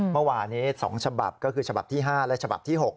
เมื่อวานี้๒ฉบับก็คือฉบับที่๕และฉบับที่๖